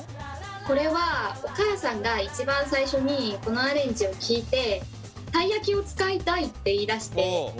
これはお母さんが一番最初にこのアレンジを聞いてたい焼きを使いたいって言いだして。